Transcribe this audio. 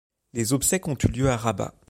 Ses obsèques ont eu lieu à Rabat.